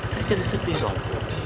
saya jadi sedih dong